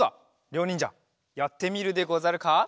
りょうにんじゃやってみるでござるか？